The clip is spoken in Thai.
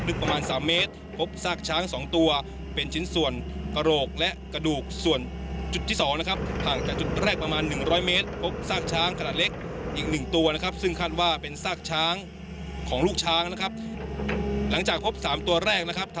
นึกประมาณ๓เมตรพบซากช้าง๒ตัวเป็นชิ้นส่วนกะโหลกและกระดูกส่วนจุดที่๒นะครับ